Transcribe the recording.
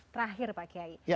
terakhir pak kiai